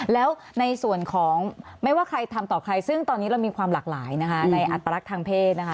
แล้วในส่วนของไม่ว่าใครทำต่อใครซึ่งตอนนี้เรามีความหลากหลายนะคะในอัตลักษณ์ทางเพศนะคะ